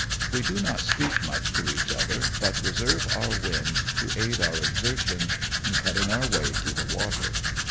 We do not speak much to each other, but reserve our wind to aid our exertions in cutting our way through the water.